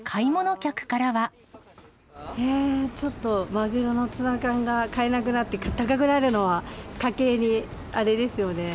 えー、ちょっと、マグロのツナ缶が買えなくなって高くなるのは、家計にあれですよね。